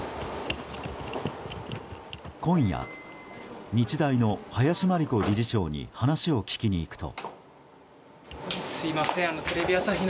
今夜、日大の林真理子理事長に話を聞きに行くと。